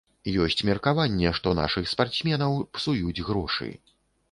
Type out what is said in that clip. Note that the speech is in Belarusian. Ёсць меркаванне, што нашых спартсменаў псуюць грошы.